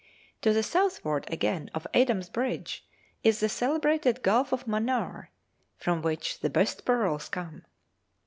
To the southward again of Adam's Bridge is the celebrated Gulf of Manaar, from which the best pearls come.